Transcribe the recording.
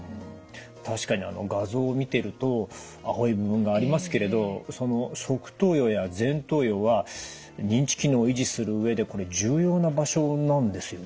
確かに画像を見ていると青い部分がありますけれどその側頭葉や前頭葉は認知機能を維持する上でこれ重要な場所なんですよね？